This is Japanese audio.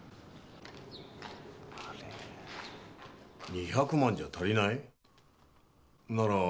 ２００万じゃ足りない？なら